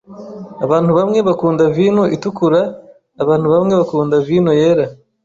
Abantu bamwe bakunda vino itukura abantu bamwe bakunda vino yera.